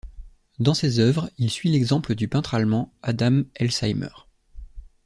Dans ces œuvres, il suit l'exemple du peintre allemand Adam Elsheimer.